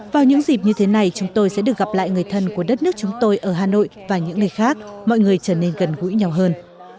vào những dịp như thế này chúng tôi sẽ được gặp lại người thân của đất nước chúng tôi ở hà nội và những nơi khác mọi người trở nên gần gũi nhau hơn